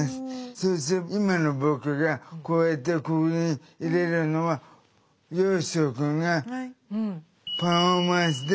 そして今の僕がこうやってここにいれるのは嘉人君がパフォーマンスで